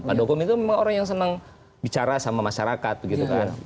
pak dukung itu memang orang yang senang bicara sama masyarakat begitu kan